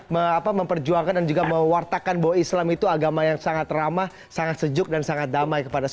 memperjuangkan dan juga mewartakan bahwa islam itu agama yang sangat ramah sangat sejuk dan sangat damai